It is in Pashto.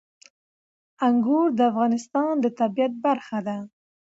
انګور د افغانستان د طبیعت برخه ده.